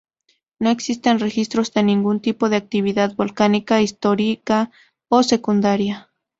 No existen registros de ningún tipo de actividad volcánica histórica o secundaria.